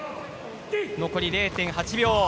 残りは０．８秒。